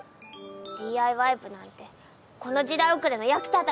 ＤＩＹ部なんてこの時代遅れの役立たずが！